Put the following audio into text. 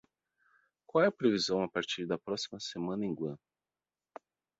qual é a previsão a partir da próxima semana em Guam